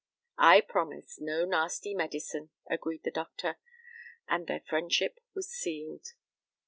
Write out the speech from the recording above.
"I promise no nasty medicine," agreed the doctor, and their friendship was sealed.